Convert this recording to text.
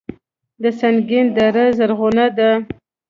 د سنګین دره زرغونه ده